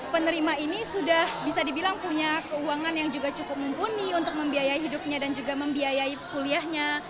penerima ini sudah bisa dibilang punya keuangan yang juga cukup mumpuni untuk membiayai hidupnya dan juga membiayai kuliahnya